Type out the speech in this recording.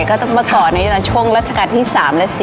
ก็ต้องประกอบในช่วงรัฐกาลที่๓และ๔